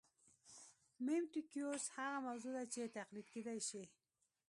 میمیټیکوس هغه موضوع ده چې تقلید کېدای شي